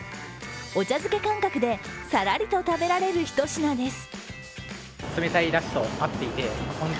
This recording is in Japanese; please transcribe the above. お茶漬け感覚でサラリと食べられるひと品です。